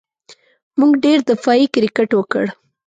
موږ ډېر دفاعي کرېکټ وکړ.